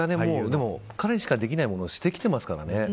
でも、彼しかできないものをしてきてますからね。